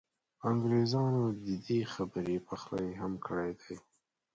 انګېرنو د دې خبرې پخلی هم کړی دی.